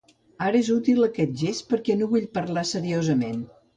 Ara és inútil aquest gest, perquè no vull parlar seriosament.